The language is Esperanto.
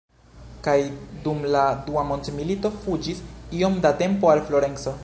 Kaj dum la Dua Mondmilito fuĝis iom da tempo al Florenco.